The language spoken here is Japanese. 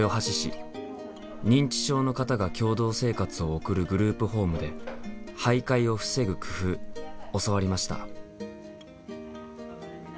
認知症の方が共同生活を送るグループホームで徘徊を防ぐ工夫教わりました。